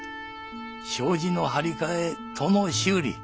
障子の張り替え戸の修理